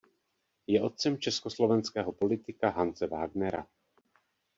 Je otcem československého politika Hanse Wagnera.